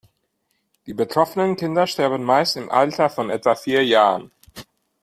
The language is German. Die betroffenen Kinder sterben meist im Alter von etwa vier Jahren.